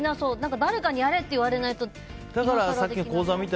誰かにやれって言われないと今更できない。